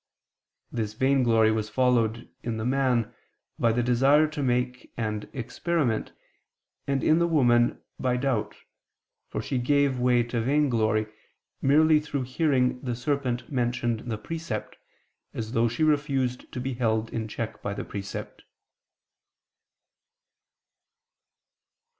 This vainglory was followed, in the man, by the desire to make and experiment, and in the woman, by doubt, for she gave way to vainglory, merely through hearing the serpent mention the precept, as though she refused to be held in check by the precept.